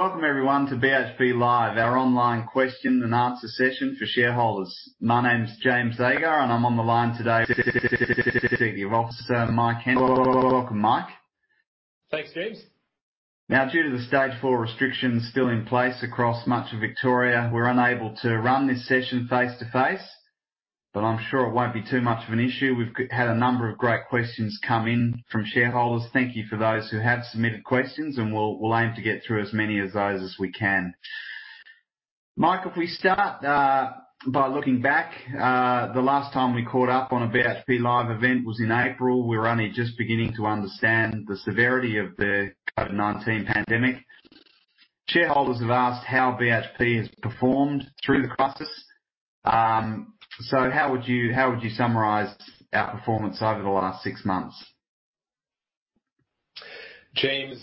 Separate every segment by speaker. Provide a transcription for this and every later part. Speaker 1: Welcome everyone to BHP Live, our online question and answer session for shareholders. My name's James Agar, and I'm on the line today with the Chief Executive Officer, Mike Henry. Welcome, Mike.
Speaker 2: Thanks, James.
Speaker 1: Due to the Stage 4 restrictions still in place across much of Victoria, we're unable to run this session face-to-face, but I'm sure it won't be too much of an issue. We've had a number of great questions come in from shareholders. Thank you for those who have submitted questions, and we'll aim to get through as many of those as we can. Mike, if we start by looking back, the last time we caught up on a BHP Live event was in April. We were only just beginning to understand the severity of the COVID-19 pandemic. Shareholders have asked how BHP has performed through the crisis. How would you summarize our performance over the last six months?
Speaker 2: James,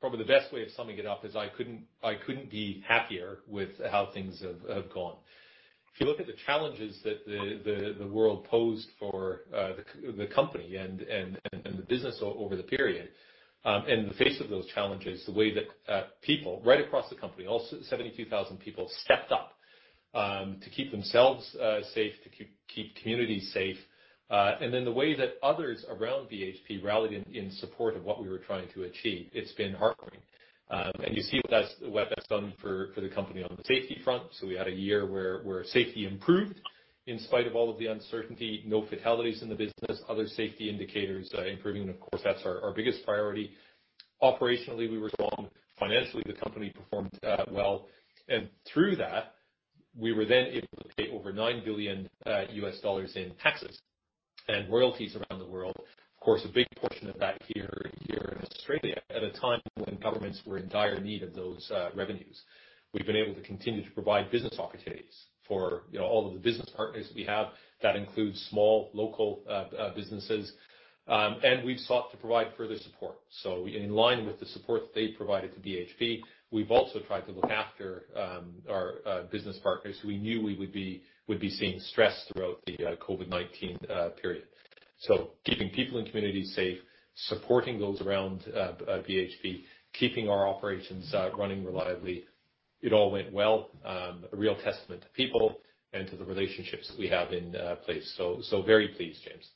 Speaker 2: probably the best way of summing it up is I couldn't be happier with how things have gone. If you look at the challenges that the world posed for the company and the business over the period, in the face of those challenges, the way that people right across the company, all 72,000 people, stepped up to keep themselves safe, to keep communities safe. Then the way that others around BHP rallied in support of what we were trying to achieve, it's been heartwarming. You see what that's done for the company on the safety front. We had a year where safety improved in spite of all of the uncertainty. No fatalities in the business. Other safety indicators improving, and of course, that's our biggest priority. Operationally, we were strong. Financially, the company performed well. Through that, we were able to pay over $9 billion in taxes and royalties around the world. Of course, a big portion of that here in Australia at a time when governments were in dire need of those revenues. We've been able to continue to provide business opportunities for all of the business partners that we have. That includes small, local businesses. We've sought to provide further support. In line with the support they provided to BHP, we've also tried to look after our business partners who we knew we would be seeing stress throughout the COVID-19 period. Keeping people and communities safe, supporting those around BHP, keeping our operations running reliably, it all went well. A real testament to people and to the relationships that we have in place. Very pleased, James.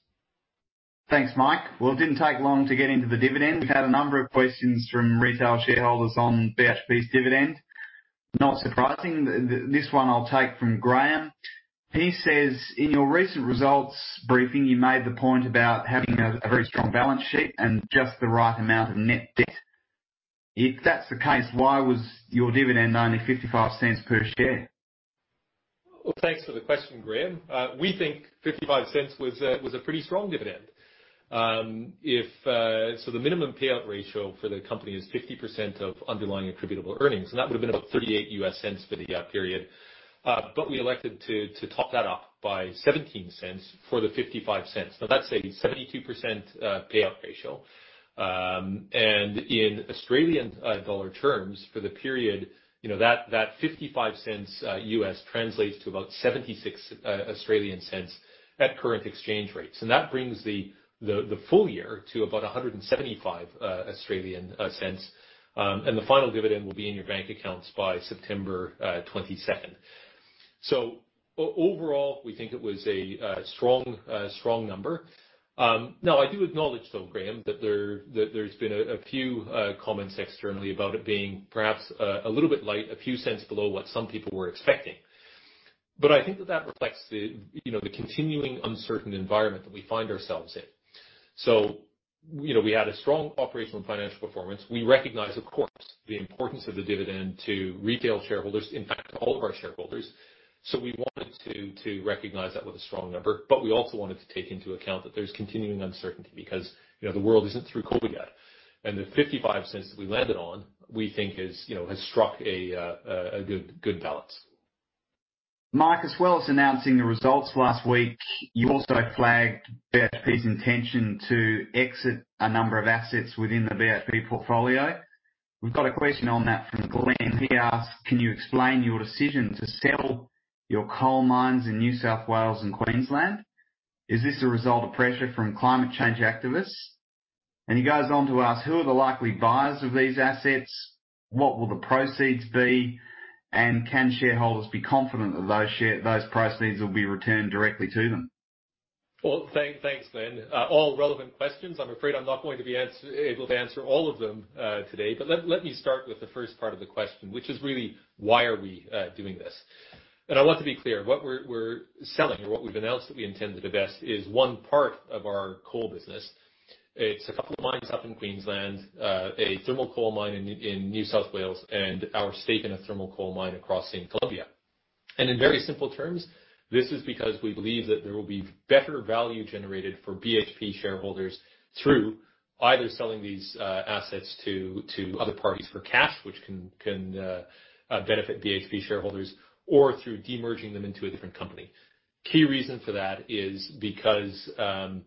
Speaker 1: Thanks, Mike. Well, it didn't take long to get into the dividend. We've had a number of questions from retail shareholders on BHP's dividend. Not surprising. This one I'll take from Graham. He says, "In your recent results briefing, you made the point about having a very strong balance sheet and just the right amount of net debt. If that's the case, why was your dividend only $0.55 per share?
Speaker 2: Well, thanks for the question, Graham. We think $0.55 was a pretty strong dividend. The minimum payout ratio for the company is 50% of underlying attributable earnings, and that would have been about $0.38 for the period. We elected to top that up by $0.17 for the $0.55. That's a 72% payout ratio. In Australian dollar terms for the period, that $0.55 translates to about 0.76 at current exchange rates. That brings the full year to about 1.75. The final dividend will be in your bank accounts by September 22nd. Overall, we think it was a strong number. I do acknowledge, though, Graham, that there's been a few comments externally about it being perhaps a little bit light, a few cents below what some people were expecting. I think that that reflects the continuing uncertain environment that we find ourselves in. We had a strong operational and financial performance. We recognize, of course, the importance of the dividend to retail shareholders, in fact, to all of our shareholders. We wanted to recognize that with a strong number, but we also wanted to take into account that there's continuing uncertainty because the world isn't through COVID yet. The $0.55 that we landed on, we think has struck a good balance.
Speaker 1: Mike, as well as announcing the results last week, you also flagged BHP's intention to exit a number of assets within the BHP portfolio. We've got a question on that from Glenn. He asks, "Can you explain your decision to sell your coal mines in New South Wales and Queensland? Is this a result of pressure from climate change activists?" He goes on to ask, "Who are the likely buyers of these assets? What will the proceeds be? And can shareholders be confident that those proceeds will be returned directly to them?
Speaker 2: Well, thanks, Glenn. All relevant questions. I'm afraid I'm not going to be able to answer all of them today. Let me start with the first part of the question, which is really why are we doing this? I want to be clear, what we're selling or what we've announced that we intend to divest is one part of our coal business. It's a couple of mines up in Queensland, a thermal coal mine in New South Wales, and our stake in a thermal coal mine Cerrejón, Colombia. In very simple terms, this is because we believe that there will be better value generated for BHP shareholders through either selling these assets to other parties for cash, which can benefit BHP shareholders, or through demerging them into a different company. Key reason for that is because the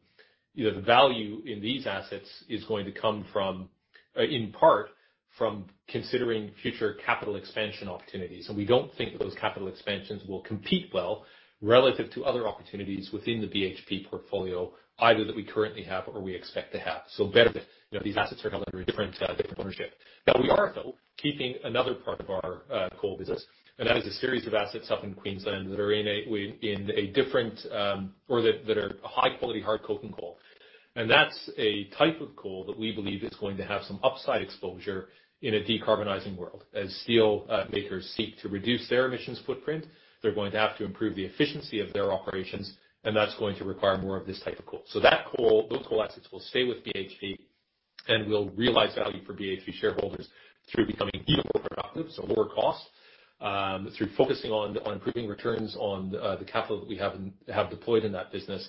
Speaker 2: value in these assets is going to come from in part from considering future capital expansion opportunities. We don't think that those capital expansions will compete well relative to other opportunities within the BHP portfolio, either that we currently have or we expect to have. Better that these assets are held under a different ownership. Now, we are, though, keeping another part of our coal business, and that is a series of assets up in Queensland that are high quality, hard coking coal. That's a type of coal that we believe is going to have some upside exposure in a decarbonizing world. As steelmakers seek to reduce their emissions footprint, they're going to have to improve the efficiency of their operations, and that's going to require more of this type of coal. That coal, those coal assets will stay with BHP and will realize value for BHP shareholders through becoming even more productive, so lower cost, through focusing on improving returns on the capital that we have deployed in that business,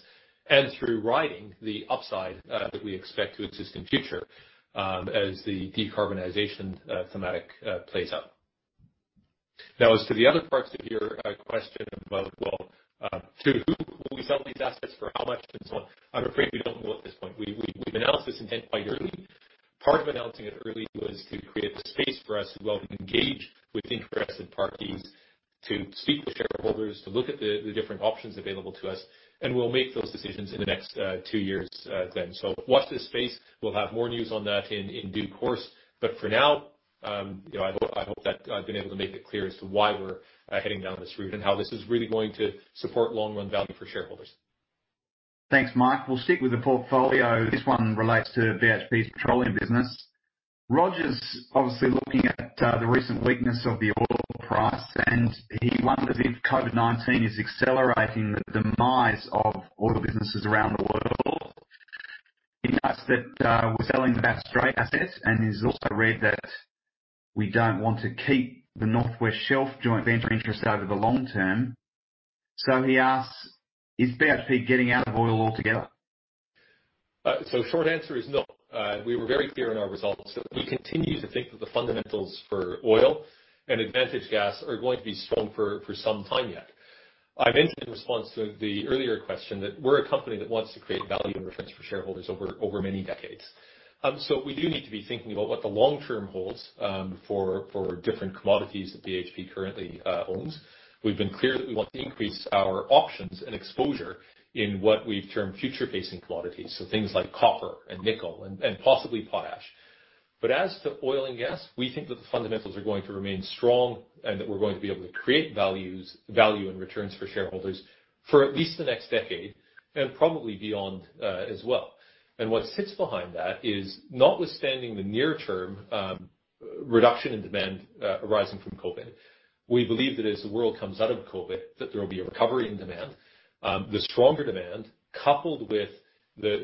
Speaker 2: and through riding the upside that we expect to exist in future, as the decarbonization thematic plays out. As to the other parts of your question about, well, to who will we sell these assets, for how much and so on. I'm afraid we don't know at this point. We've announced this intent quite early. Part of announcing it early was to create the space for us to be able to engage with interested parties, to speak with shareholders, to look at the different options available to us, and we'll make those decisions in the next two years then. Watch this space. We'll have more news on that in due course. For now, I hope that I've been able to make it clear as to why we're heading down this route and how this is really going to support long-run value for shareholders.
Speaker 1: Thanks, Mike. We'll stick with the portfolio. This one relates to BHP's petroleum business. Roger's obviously looking at the recent weakness of the oil price, and he wonders if COVID-19 is accelerating the demise of oil businesses around the world. He notes that we're selling the Bass Strait assets and he's also read that we don't want to keep the North West Shelf joint venture interest over the long term. He asks, "Is BHP getting out of oil altogether?
Speaker 2: Short answer is no. We were very clear in our results that we continue to think that the fundamentals for oil and advantaged gas are going to be strong for some time yet. I mentioned in response to the earlier question that we're a company that wants to create value and returns for shareholders over many decades. We do need to be thinking about what the long term holds, for different commodities that BHP currently owns. We've been clear that we want to increase our options and exposure in what we've termed future-facing commodities. Things like copper and nickel and possibly potash. As to oil and gas, we think that the fundamentals are going to remain strong and that we're going to be able to create value in returns for shareholders for at least the next decade and probably beyond, as well. What sits behind that is notwithstanding the near-term reduction in demand arising from COVID-19, we believe that as the world comes out of COVID-19, that there will be a recovery in demand. The stronger demand, coupled with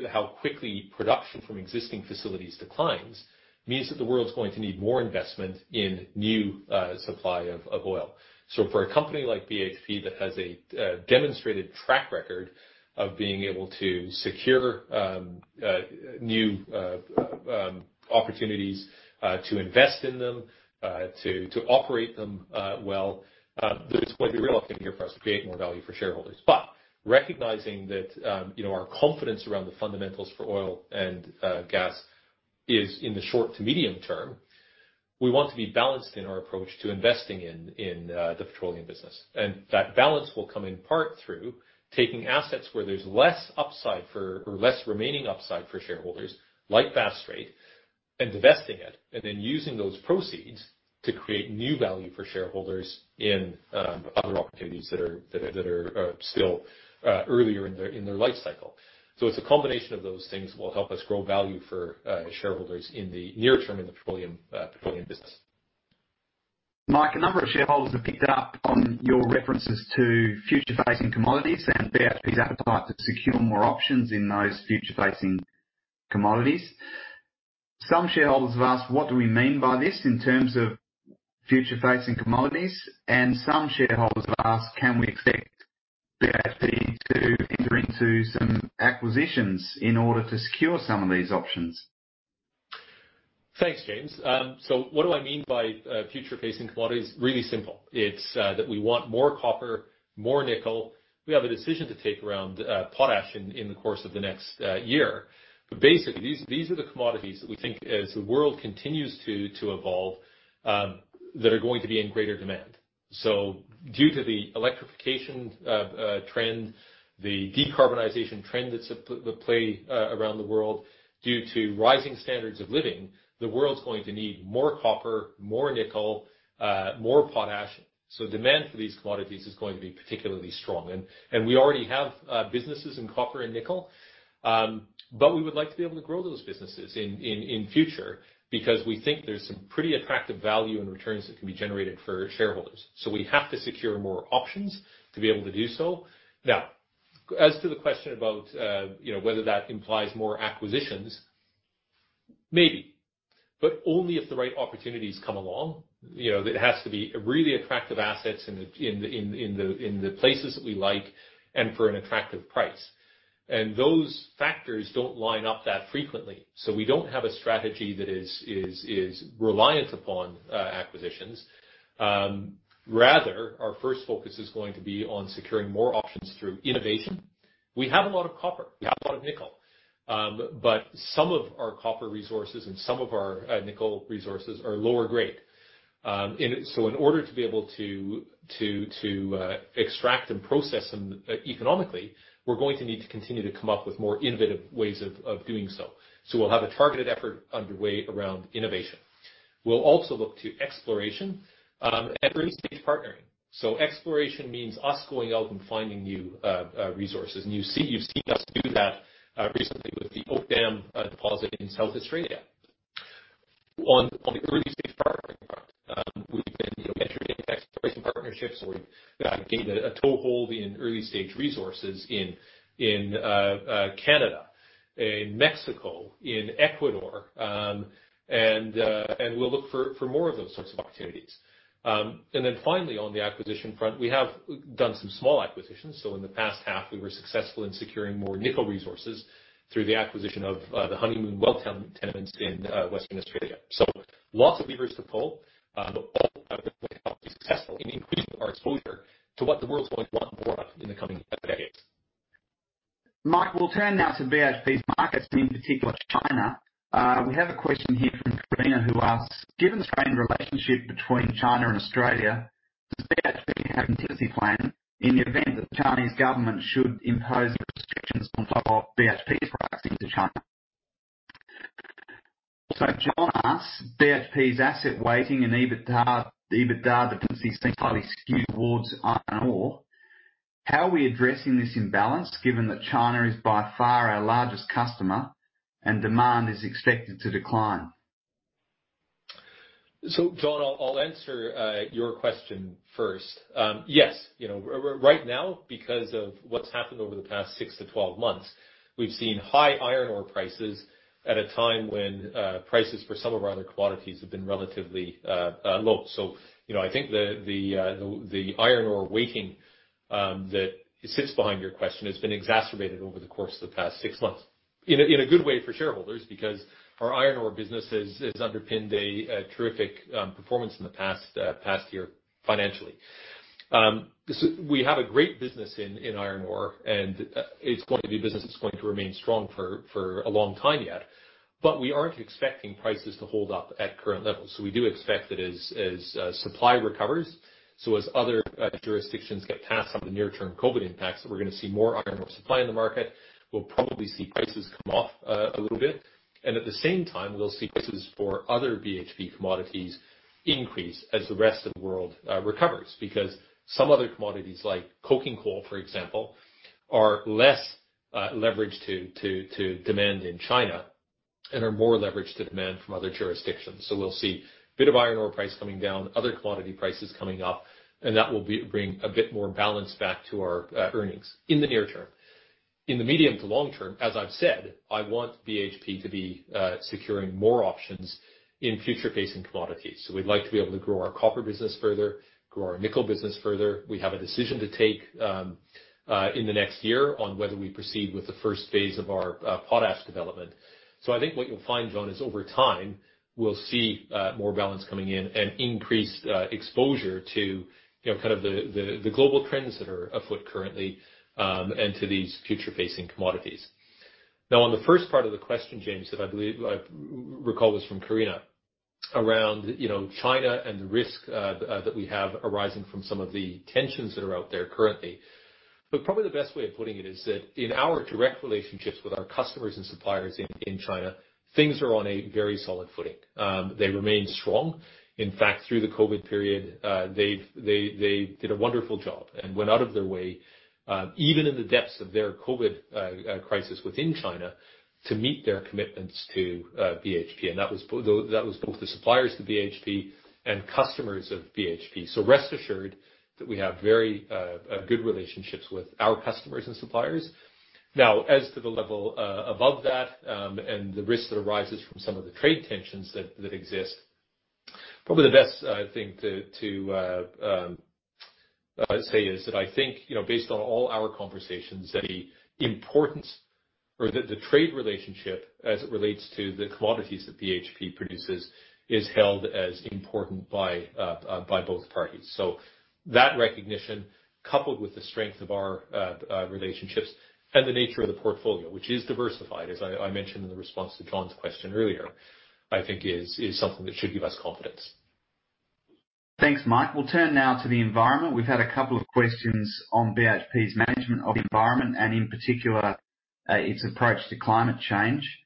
Speaker 2: how quickly production from existing facilities declines, means that the world's going to need more investment in new supply of oil. For a company like BHP that has a demonstrated track record of being able to secure new opportunities, to invest in them, to operate them well, there's going to be real opportunity here for us to create more value for shareholders. Recognizing that our confidence around the fundamentals for oil and gas is in the short to medium term, we want to be balanced in our approach to investing in the petroleum business. That balance will come in part through taking assets where there's less remaining upside for shareholders, like Bass Strait, and divesting it, and then using those proceeds to create new value for shareholders in other opportunities that are still earlier in their life cycle. It's a combination of those things that will help us grow value for shareholders in the near term in the petroleum business.
Speaker 1: Mike, a number of shareholders have picked up on your references to future-facing commodities and BHP's appetite to secure more options in those future-facing commodities. Some shareholders have asked, what do we mean by this in terms of future-facing commodities, and some shareholders have asked, can we expect BHP to enter into some acquisitions in order to secure some of these options?
Speaker 2: Thanks, James. What do I mean by future-facing commodities? Really simple. It's that we want more copper, more nickel. We have a decision to take around potash in the course of the next year. Basically, these are the commodities that we think as the world continues to evolve, that are going to be in greater demand. Due to the electrification trend, the decarbonization trend that's at play around the world, due to rising standards of living, the world's going to need more copper, more nickel, more potash. Demand for these commodities is going to be particularly strong. We already have businesses in copper and nickel, but we would like to be able to grow those businesses in future because we think there's some pretty attractive value and returns that can be generated for shareholders. We have to secure more options to be able to do so. As to the question about whether that implies more acquisitions, maybe, but only if the right opportunities come along. It has to be really attractive assets in the places that we like and for an attractive price. Those factors don't line up that frequently. We don't have a strategy that is reliant upon acquisitions. Rather, our first focus is going to be on securing more options through innovation. We have a lot of copper, we have a lot of nickel. Some of our copper resources and some of our nickel resources are lower grade. In order to be able to extract and process them economically, we're going to need to continue to come up with more innovative ways of doing so. We'll have a targeted effort underway around innovation. We'll also look to exploration, and early-stage partnering. Exploration means us going out and finding new resources, and you've seen us do that recently with the Oak Dam deposit in South Australia. On the early-stage partnering front, we've been entering into exploration partnerships where we gain a toehold in early-stage resources in Canada, in Mexico, in Ecuador. We'll look for more of those sorts of opportunities. Finally, on the acquisition front, we have done some small acquisitions. In the past half, we were successful in securing more nickel resources through the acquisition of the Honeymoon Well tenements in Western Australia. Lots of levers to pull, but all of them can help be successful in increasing our exposure to what the world's going to want more of in the coming decades.
Speaker 1: Mike, we'll turn now to BHP's markets, and in particular, China. We have a question here from Karina, who asks, "Given the strained relationship between China and Australia, does BHP have a contingency plan in the event that the Chinese government should impose restrictions on top of BHP's pricing to China?" John asks, "BHP's asset weighting and EBITDA dependency seem highly skewed towards iron ore. How are we addressing this imbalance given that China is by far our largest customer and demand is expected to decline?
Speaker 2: John, I'll answer your question first. Yes. Right now, because of what's happened over the past 6-12 months, we've seen high iron ore prices at a time when prices for some of our other commodities have been relatively low. I think the iron ore weighting that sits behind your question has been exacerbated over the course of the past six months. In a good way for shareholders, because our iron ore business has underpinned a terrific performance in the past year financially. We have a great business in iron ore, and it's going to be a business that's going to remain strong for a long time yet. We aren't expecting prices to hold up at current levels. We do expect that as supply recovers, as other jurisdictions get past some of the near-term COVID-19 impacts, that we're going to see more iron ore supply in the market. We'll probably see prices come off a little bit. At the same time, we'll see prices for other BHP commodities increase as the rest of the world recovers. Because some other commodities like coking coal, for example, are less leveraged to demand in China and are more leveraged to demand from other jurisdictions. We'll see a bit of iron ore price coming down, other commodity prices coming up, and that will bring a bit more balance back to our earnings in the near term. In the medium to long term, as I've said, I want BHP to be securing more options in future-facing commodities. We'd like to be able to grow our copper business further, grow our nickel business further. We have a decision to take in the next year on whether we proceed with the first phase of our potash development. I think what you'll find, John, is over time, we'll see more balance coming in and increased exposure to the global trends that are afoot currently, and to these future-facing commodities. On the first part of the question, James, that I recall was from Karina, around China and the risk that we have arising from some of the tensions that are out there currently. Probably the best way of putting it is that in our direct relationships with our customers and suppliers in China, things are on a very solid footing. They remain strong. In fact, through the COVID period, they did a wonderful job and went out of their way, even in the depths of their COVID crisis within China, to meet their commitments to BHP. That was both the suppliers to BHP and customers of BHP. Rest assured that we have very good relationships with our customers and suppliers. As to the level above that, and the risk that arises from some of the trade tensions that exist, probably the best thing to say is that I think based on all our conversations, the trade relationship as it relates to the commodities that BHP produces is held as important by both parties. That recognition, coupled with the strength of our relationships and the nature of the portfolio, which is diversified, as I mentioned in the response to John's question earlier, I think is something that should give us confidence.
Speaker 1: Thanks, Mike. We'll turn now to the environment. We've had a couple of questions on BHP's management of the environment and in particular, its approach to climate change.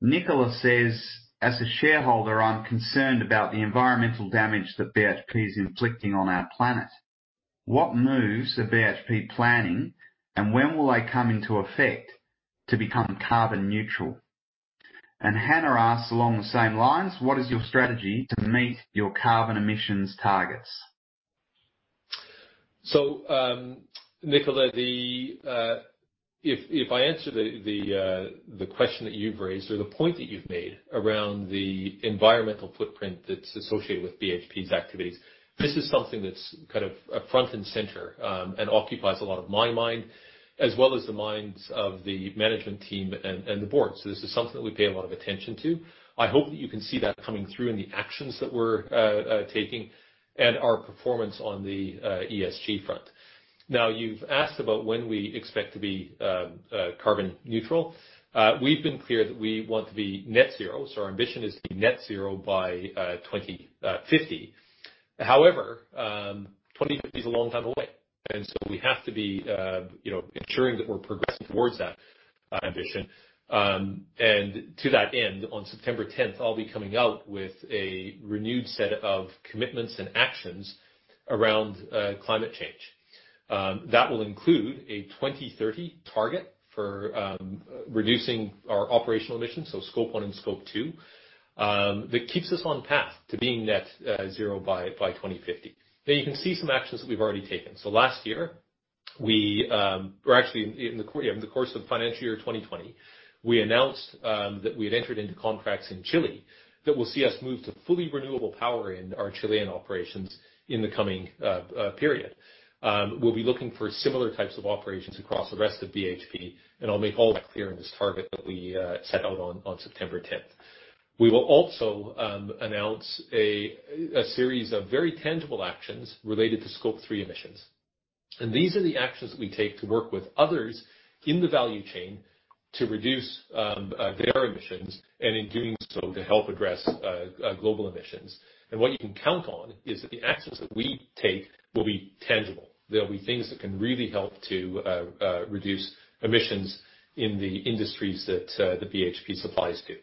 Speaker 1: Nicola says, "As a shareholder, I'm concerned about the environmental damage that BHP is inflicting on our planet. What moves are BHP planning, and when will they come into effect to become carbon neutral?" Hannah asks along the same lines, "What is your strategy to meet your carbon emissions targets?
Speaker 2: Nicola, if I answer the question that you've raised or the point that you've made around the environmental footprint that's associated with BHP's activities, this is something that's front and center, and occupies a lot of my mind, as well as the minds of the management team and the board. This is something that we pay a lot of attention to. I hope that you can see that coming through in the actions that we're taking and our performance on the ESG front. You've asked about when we expect to be carbon neutral. We've been clear that we want to be net zero, our ambition is to be net zero by 2050. 2050 is a long time away, we have to be ensuring that we're progressing towards that ambition. To that end, on September 10th, I'll be coming out with a renewed set of commitments and actions around climate change. That will include a 2030 target for reducing our operational emissions, so Scope 1 and Scope 2, that keeps us on path to being net zero by 2050. You can see some actions that we've already taken. Last year, or actually in the course of financial year 2020, we announced that we had entered into contracts in Chile that will see us move to fully renewable power in our Chilean operations in the coming period. We'll be looking for similar types of operations across the rest of BHP, and I'll make all that clear in this target that we set out on September 10th. We will also announce a series of very tangible actions related to Scope 3 emissions. These are the actions that we take to work with others in the value chain to reduce their emissions, and in doing so, to help address global emissions. What you can count on is that the actions that we take will be tangible. They'll be things that can really help to reduce emissions in the industries that BHP supplies to.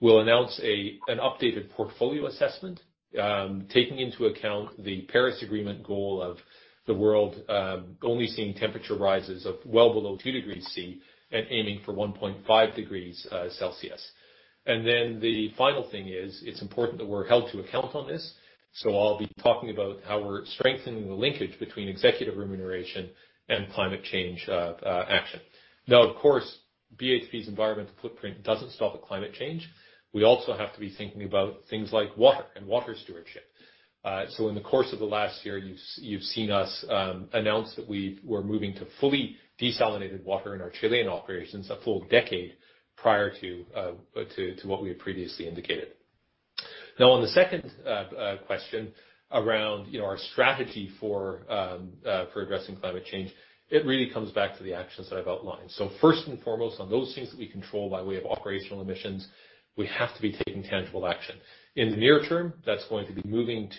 Speaker 2: We'll announce an updated portfolio assessment, taking into account the Paris Agreement goal of the world only seeing temperature rises of well below 2°C and aiming for 1.5°C. The final thing is, it's important that we're held to account on this, so I'll be talking about how we're strengthening the linkage between executive remuneration and climate change action. Now, of course, BHP's environmental footprint doesn't stop at climate change. We also have to be thinking about things like water and water stewardship. In the course of the last year, you've seen us announce that we're moving to fully desalinated water in our Chilean operations, a full decade prior to what we had previously indicated. On the second question around our strategy for addressing climate change, it really comes back to the actions that I've outlined. First and foremost, on those things that we control by way of operational emissions, we have to be taking tangible action. In the near term, that's going to be moving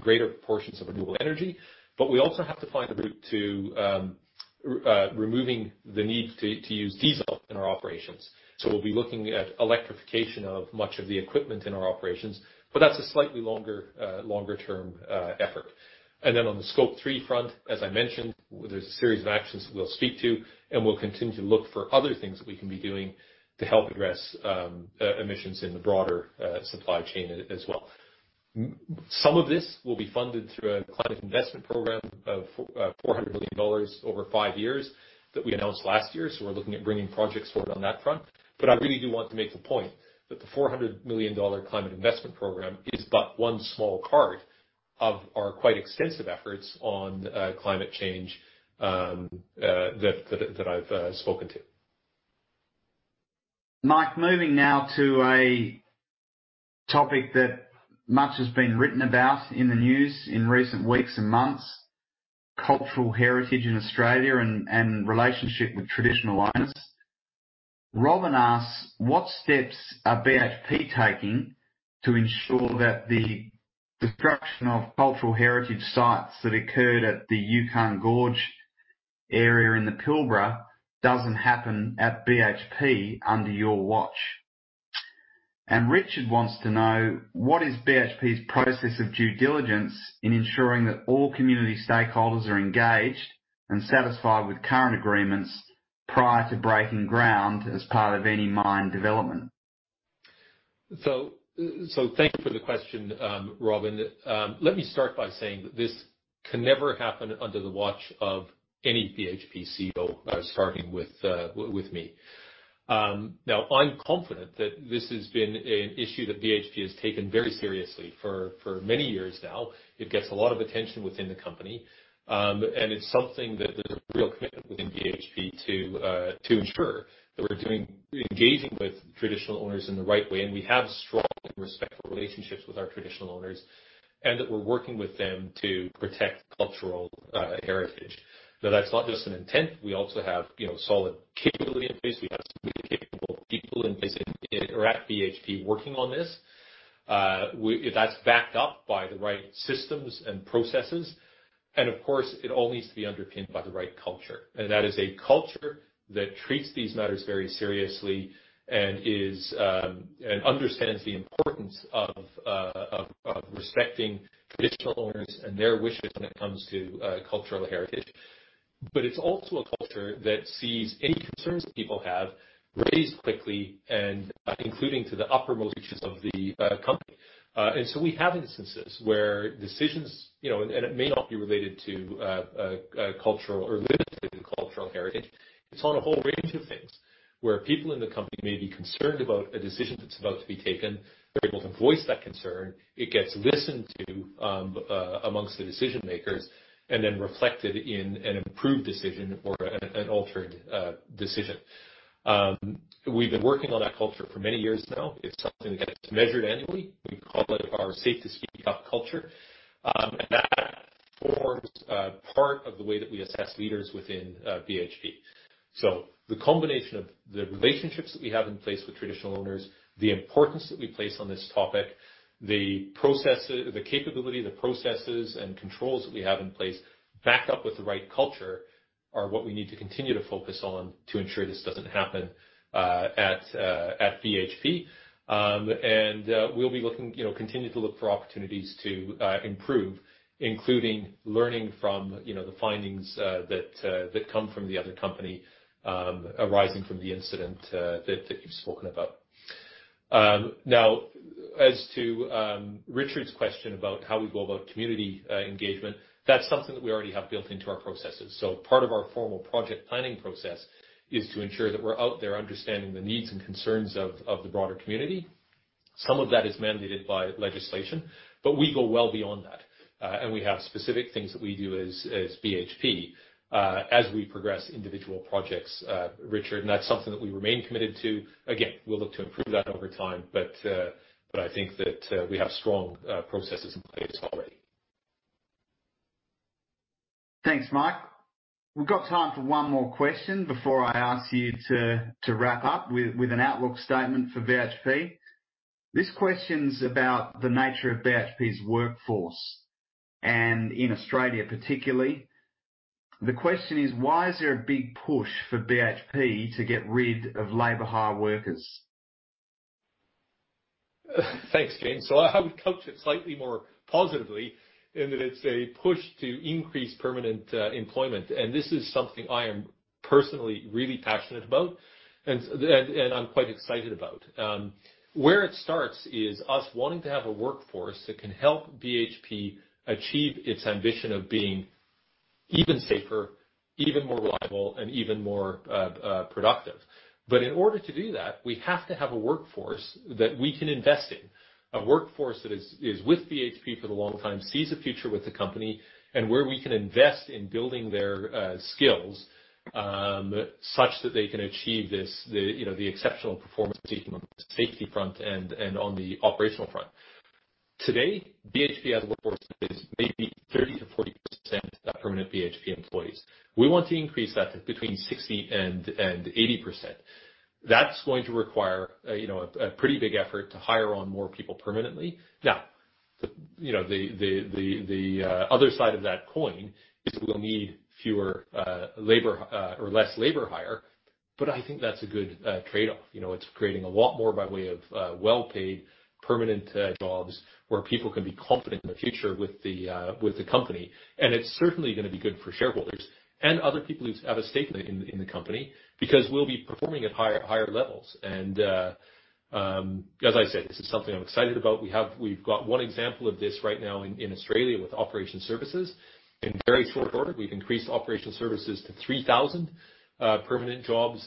Speaker 2: greater portions of renewable energy, but we also have to find a route to removing the need to use diesel in our operations. We'll be looking at electrification of much of the equipment in our operations, but that's a slightly longer-term effort. Then on the Scope 3 front, as I mentioned, there's a series of actions that we'll speak to, and we'll continue to look for other things that we can be doing to help address emissions in the broader supply chain as well. Some of this will be funded through a Climate Investment Program of $400 million over five years that we announced last year. We're looking at bringing projects forward on that front. I really do want to make the point that the $400 million Climate Investment Program is but one small part of our quite extensive efforts on climate change that I've spoken to.
Speaker 1: Mike, moving now to a topic that much has been written about in the news in recent weeks and months, cultural heritage in Australia and relationship with traditional owners. Robin asks, "What steps are BHP taking to ensure that the destruction of cultural heritage sites that occurred at the Juukan Gorge area in the Pilbara doesn't happen at BHP under your watch?" Richard wants to know, "What is BHP's process of due diligence in ensuring that all community stakeholders are engaged and satisfied with current agreements prior to breaking ground as part of any mine development?
Speaker 2: Thank you for the question, Robin. Let me start by saying that this can never happen under the watch of any BHP CEO, starting with me. Now, I'm confident that this has been an issue that BHP has taken very seriously for many years now. It gets a lot of attention within the company, and it's something that there's a real commitment within BHP to ensure that we're engaging with traditional owners in the right way, and we have strong and respectful relationships with our traditional owners, and that we're working with them to protect cultural heritage. Now, that's not just an intent. We also have solid capability in place. We have some really capable people in place who are at BHP working on this. That's backed up by the right systems and processes. Of course, it all needs to be underpinned by the right culture. That is a culture that treats these matters very seriously and understands the importance of respecting traditional owners and their wishes when it comes to cultural heritage. It's also a culture that sees any concerns that people have raised quickly and including to the uppermost reaches of the company. We have instances where decisions, and it may not be related to cultural or limited to cultural heritage. It's on a whole range of things, where people in the company may be concerned about a decision that's about to be taken. They're able to voice that concern. It gets listened to amongst the decision-makers, and then reflected in an improved decision or an altered decision. We've been working on that culture for many years now. It's something that gets measured annually. We call it our safe-to-speak-up culture. That forms a part of the way that we assess leaders within BHP. The combination of the relationships that we have in place with traditional owners, the importance that we place on this topic, the capability, the processes and controls that we have in place backed up with the right culture are what we need to continue to focus on to ensure this doesn't happen at BHP. We'll continue to look for opportunities to improve, including learning from the findings that come from the other company arising from the incident that you've spoken about. As to Richard's question about how we go about community engagement, that's something that we already have built into our processes. Part of our formal project planning process is to ensure that we're out there understanding the needs and concerns of the broader community. Some of that is mandated by legislation, but we go well beyond that. We have specific things that we do as BHP, as we progress individual projects, Richard. That's something that we remain committed to. Again, we'll look to improve that over time. I think that we have strong processes in place already.
Speaker 1: Thanks, Mike. We've got time for one more question before I ask you to wrap up with an outlook statement for BHP. This question's about the nature of BHP's workforce, and in Australia particularly. The question is, why is there a big push for BHP to get rid of labor hire workers?
Speaker 2: Thanks, James. I would couch it slightly more positively in that it's a push to increase permanent employment. This is something I am personally really passionate about and I'm quite excited about. Where it starts is us wanting to have a workforce that can help BHP achieve its ambition of being even safer, even more reliable, and even more productive. In order to do that, we have to have a workforce that we can invest in, a workforce that is with BHP for the long time, sees a future with the company, and where we can invest in building their skills, such that they can achieve the exceptional performance both on the safety front and on the operational front. Today, BHP as a workforce is maybe 30%-40% are permanent BHP employees. We want to increase that to between 60% and 80%. That's going to require a pretty big effort to hire on more people permanently. Now, the other side of that coin is we'll need fewer labor or less labor hire, but I think that's a good trade-off. It's creating a lot more by way of well-paid permanent jobs where people can be confident in their future with the company. It's certainly going to be good for shareholders and other people who have a stake in the company, because we'll be performing at higher levels. As I said, this is something I'm excited about. We've got one example of this right now in Australia with Operations Services. In very short order, we've increased Operations Services to 3,000 permanent jobs.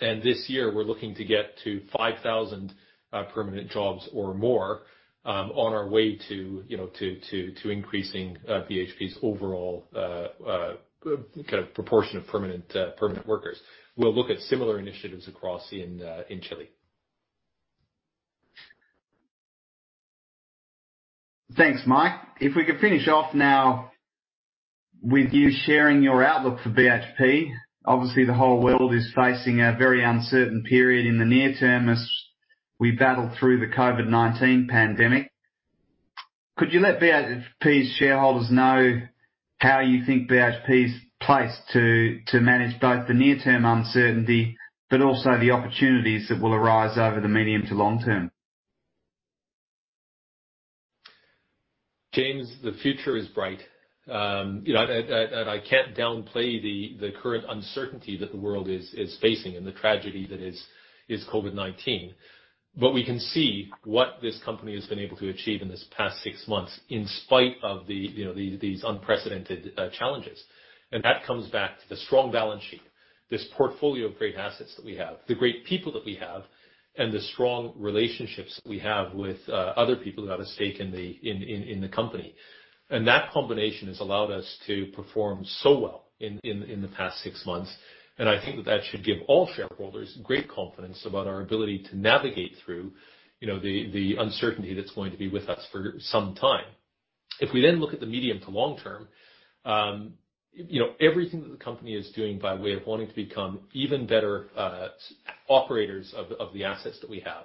Speaker 2: This year, we're looking to get to 5,000 permanent jobs or more, on our way to increasing BHP's overall kind of proportion of permanent workers. We'll look at similar initiatives across in Chile.
Speaker 1: Thanks, Mike. If we could finish off now with you sharing your outlook for BHP. Obviously, the whole world is facing a very uncertain period in the near term as we battle through the COVID-19 pandemic. Could you let BHP's shareholders know how you think BHP's placed to manage both the near-term uncertainty, but also the opportunities that will arise over the medium to long term?
Speaker 2: James, the future is bright. I can't downplay the current uncertainty that the world is facing and the tragedy that is COVID-19. We can see what this company has been able to achieve in this past six months in spite of these unprecedented challenges. That comes back to the strong balance sheet, this portfolio of great assets that we have, the great people that we have, and the strong relationships we have with other people who have a stake in the company. That combination has allowed us to perform so well in the past six months. I think that that should give all shareholders great confidence about our ability to navigate through the uncertainty that's going to be with us for some time. If we look at the medium to long term, everything that the company is doing by way of wanting to become even better operators of the assets that we have,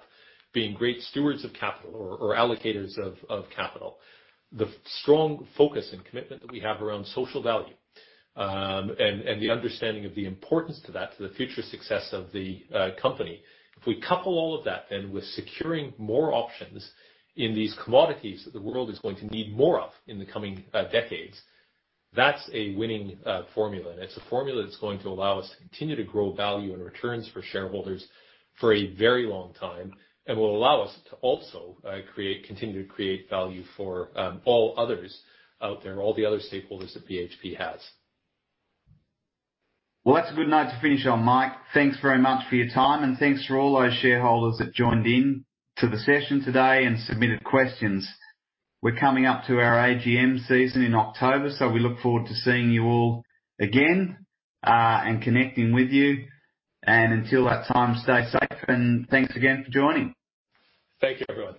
Speaker 2: being great stewards of capital or allocators of capital. The strong focus and commitment that we have around social value, the understanding of the importance to that for the future success of the company. If we couple all of that with securing more options in these commodities that the world is going to need more of in the coming decades, that's a winning formula. It's a formula that's going to allow us to continue to grow value and returns for shareholders for a very long time and will allow us to also continue to create value for all others out there, all the other stakeholders that BHP has.
Speaker 1: Well, that's a good note to finish on, Mike. Thanks very much for your time, and thanks for all those shareholders that joined in to the session today and submitted questions. We're coming up to our AGM season in October. We look forward to seeing you all again, and connecting with you. Until that time, stay safe, and thanks again for joining.
Speaker 2: Thank you, everyone.